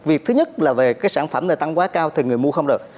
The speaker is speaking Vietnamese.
việc thứ nhất là về cái sản phẩm này tăng quá cao thì người mua không được